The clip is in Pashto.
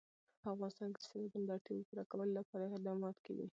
په افغانستان کې د سیلابونه د اړتیاوو پوره کولو لپاره اقدامات کېږي.